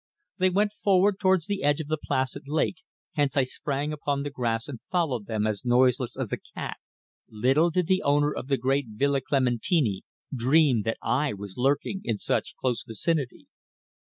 They went forward towards the edge of the placid lake, hence I sprang upon the grass and followed them as noiseless as a cat. Little did the owner of the great Villa Clementini dream that I was lurking in such close vicinity.